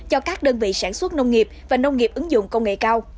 cho các đơn vị sản xuất nông nghiệp và nông nghiệp ứng dụng công nghệ cao